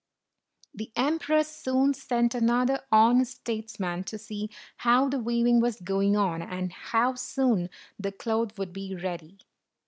The emperor soon sent another honest states man to see how the weaving was going on, and how soon the cloth would be ready.